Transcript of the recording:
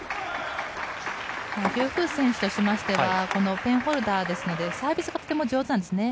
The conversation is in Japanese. ユー・フー選手としては、ペンホルダーなのでサービスがとっても上手なんです。